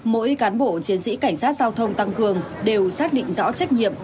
mỗi cán bộ chiến sĩ cảnh sát giao thông tăng cường đều xác định rõ trách nhiệm